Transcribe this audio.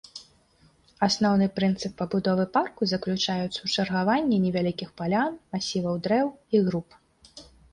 Асноўны прынцып пабудовы парку заключаецца ў чаргаванні невялікіх палян, масіваў дрэў і груп.